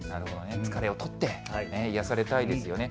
疲れをとって癒やされたいですよね。